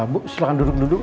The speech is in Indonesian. bu silahkan duduk duduk